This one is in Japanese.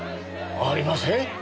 ありません。